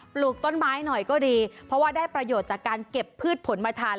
ปลูกต้นไม้หน่อยก็ดีเพราะว่าได้ประโยชน์จากการเก็บพืชผลมาทาน